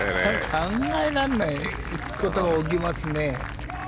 考えられないことが起きますね。